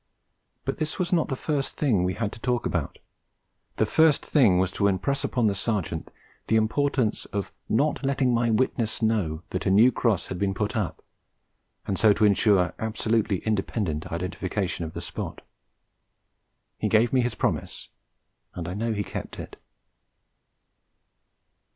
But this was not the first thing we had to talk about. The first thing was to impress upon the Sergeant the importance of not letting my witness know that a new cross had been put up, and so to ensure absolutely independent identification of the spot. He gave me his promise, and I know he kept it.